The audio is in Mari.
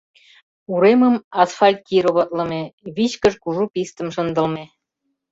Уремым асфальтироватлыме, вичкыж кужу пистым шындылме.